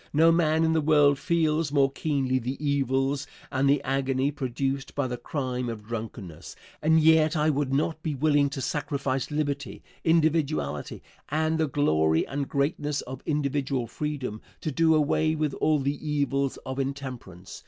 No man in the world feels more keenly the evils and the agony produced by the crime of drunkenness. And yet I would not be willing to sacrifice liberty, individuality, and the glory and greatness of individual freedom, to do away with all the evils of intemperance.